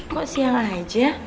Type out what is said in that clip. kok siang aja